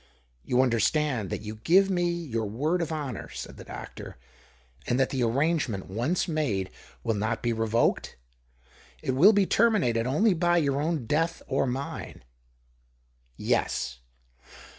" You understand that you give me your word of honour," said the doctor, " and that the arrangement once made will not be THE OCTAVE OF CLAUDIUS. 115 revoked ? It will be terminated only by your own death or mine." " Yes."